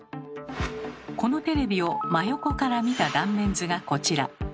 このテレビを真横から見た断面図がこちら。